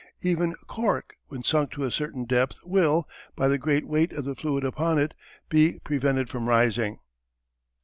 Even cork, when sunk to a certain depth will, by the great weight of the fluid upon it, be prevented from rising.